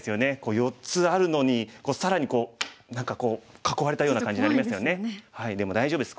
４つあるのに更にこう何か囲われたような感じなりますよね。